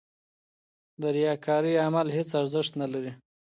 د ریاکارۍ عمل هېڅ ارزښت نه لري.